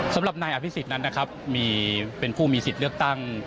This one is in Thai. สำหรับนายอภิษฎนั้นนะครับมีเป็นผู้มีสิทธิ์เลือกตั้ง